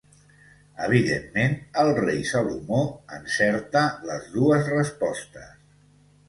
Evidentment, el rei Salomó encerta les dues respostes.